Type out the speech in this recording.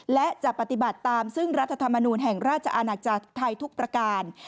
และจะปฏิบัติตามซึ่งรัฐธรรมนูลแห่งราชอาณาจักรไทยทุกประการ